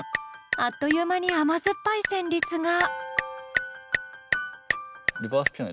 あっという間に甘酸っぱい旋律が。